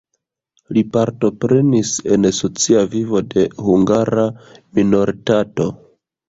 Li partoprenis en socia vivo de hungara minoritato.